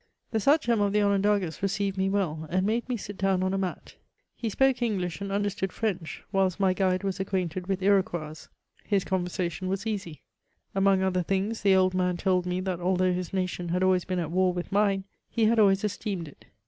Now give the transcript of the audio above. The Sachem of the Onondagas received me well, and made me sit down on a mat. He spoke English, and understood French, whilst my guide was acquainted with Iroquoise : his con versation was easy. Among other things, the old man told me that although his nation had always been at war with mine, he had always esteemed it.